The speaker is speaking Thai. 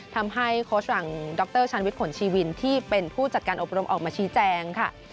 โค้ชหลังดรชาญวิทย์ผลชีวินที่เป็นผู้จัดการอบรมออกมาชี้แจงค่ะ